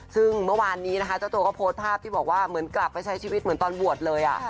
ซึ่งเมื่อวานนี้นะคะเจ้าตัวก็โพสต์ภาพที่บอกว่าเหมือนกลับไปใช้ชีวิตเหมือนตอนบวชเลย